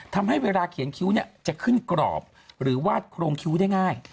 ทำให้เวลาเขียนคิ้วจะขึ้นกรอบหรือวาดโครงคิ้วได้ง่าย